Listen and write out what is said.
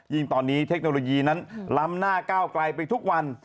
ตอนนี้เทคโนโลยีนั้นล้ำหน้าก้าวไกลไปทุกวัน